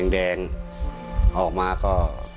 แดงออกมาก็